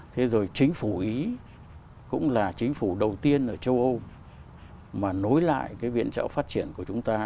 thế rồi chính phủ ý cũng là chính phủ đầu tiên ở châu âu mà nối lại cái viện trợ phát triển của chúng ta